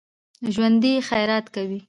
ژوندي خیرات کوي